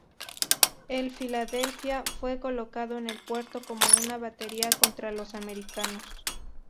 El Filadelfia fue colocado en el puerto como una batería contra los americanos.